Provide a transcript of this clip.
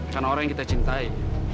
karena orang yang kita cintai